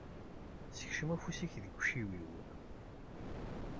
Sekcem afus-ik deg yiciwi-w.